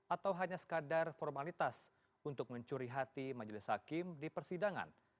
atau hanya sekadar formalitas untuk mencuri hati majelis hakim di persidangan